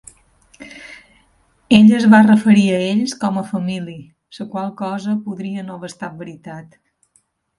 Ella es va referir a ells com a família, la qual cosa podria no haver estat veritat.